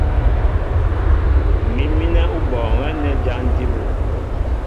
Mǐm mínɛ́ ó bɔɔŋɛ́ nɛ́ jǎn jí bú.